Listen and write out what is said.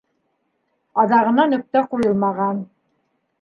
Аҙағына нөктә ҡуйылмаған.